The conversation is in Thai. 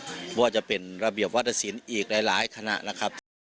เพราะว่าจะเป็นระเบียบวัตตสินอีกหลายคณะแล้วครับ